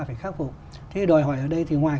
phải khắc phục thế đòi hỏi ở đây thì ngoài